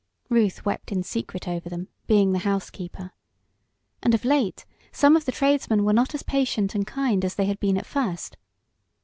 Ruth wept in secret over them, being the house keeper. And, of late, some of the tradesmen were not as patient and kind as they had been at first.